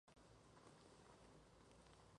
Michael Levy es un escultor simbolista.